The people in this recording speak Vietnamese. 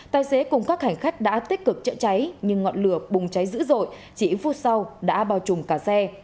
tài xế cùng các hành khách đã tích cực chữa cháy nhưng ngọn lửa bùng cháy dữ dội chỉ ít phút sau đã bao trùm cả xe